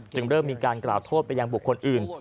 เริ่มมีการกล่าวโทษไปยังบุคคลอื่น